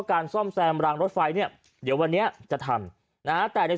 การซ่อมแซมรางรถไฟเนี่ยเดี๋ยววันนี้จะทำนะฮะแต่ใน